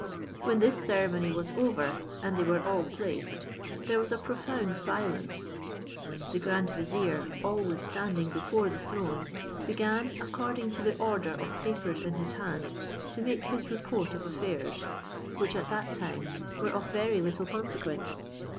When this ceremony was over, and they were all placed, there was a profound silence. The grand vizier always standing before the throne, began according to the order of papers in his hand to make his report of affairs, which at that time were of very little consequence.